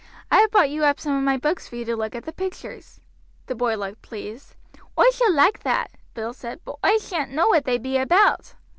I have brought you up some of my books for you to look at the pictures." The boy looked pleased. "Oi shall like that," Bill said; "but oi shan't know what they be about."